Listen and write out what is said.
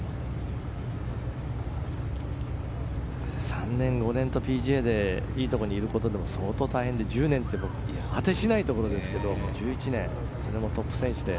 ３年、５年とＰＧＡでいいところにいるだけでも相当大変で１０年は果てしないところですが、１１年それもトップ選手で。